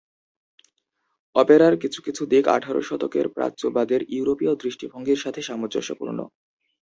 অপেরার কিছু কিছু দিক আঠারো শতকের প্রাচ্যবাদের ইউরোপীয় দৃষ্টিভঙ্গির সাথে সামঞ্জস্যপূর্ণ।